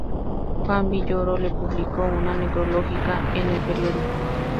Juan Villoro le publicó una necrológica en el periódico.